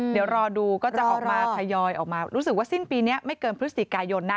เดี๋ยวรอดูก็จะออกมาทยอยออกมารู้สึกว่าสิ้นปีนี้ไม่เกินพฤศจิกายนนะ